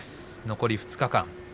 残り２日間。